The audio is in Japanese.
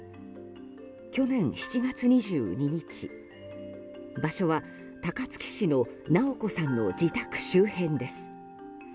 去年７月２２日、場所は高槻市の直子さんの自宅周辺です。